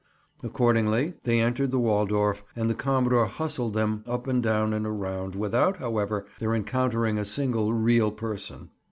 Accordingly they entered the Waldorf and the commodore hustled them up and down and around, without, however, their encountering a single "real" person.